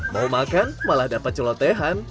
mau makan malah dapat celotehan